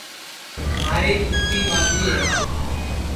مھاری کُوتی مادؔی ہے